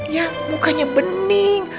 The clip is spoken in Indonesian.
ya mukanya bening